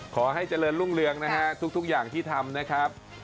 ขอให้เจริญรุ่งเรืองนะฮะทุกอย่างที่ทำนะครับ